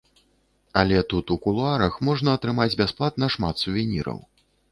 Але тут у кулуарах можна атрымаць бясплатна шмат сувеніраў.